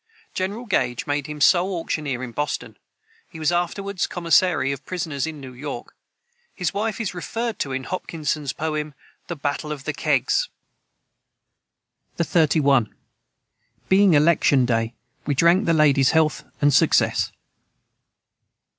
General Gage made him sole auctioneer in Boston. He was afterward commissary of prisoners in New York. His wife is referred to in Hopkinson's poem, "The Battle of the Kegs."] the 31. Being election day we drank the Ladies health and success.